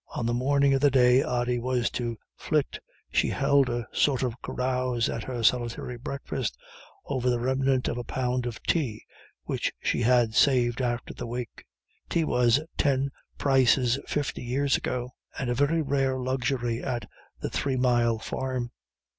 On the morning of the day Ody was to flit she held a sort of carouse at her solitary breakfast over the remnant of a pound of tea which she had saved after the wake. Tea was ten prices fifty years ago, and a very rare luxury at the Three Mile Farm.